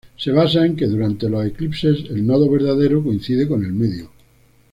Se basa en que durante los eclipses el Nodo verdadero coincide con el medio.